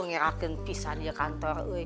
mengerahkan pisan di kantor